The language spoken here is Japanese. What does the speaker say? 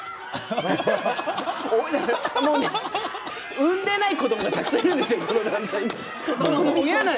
産んでない子どもたくさんいるんですよ、この団体に。